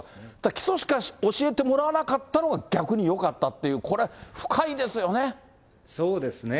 基礎しか教えてもらわなかったのが逆によかったっていう、こそうですね。